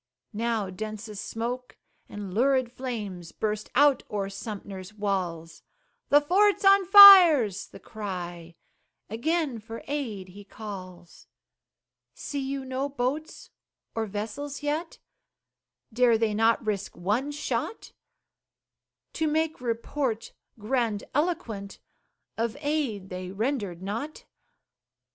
Now densest smoke and lurid flames Burst out o'er Sumter's walls; "The fort's on fire," 's the cry; Again for aid he calls. See you no boats or vessels yet? Dare they not risk one shot, To make report grandiloquent Of aid they rendered not?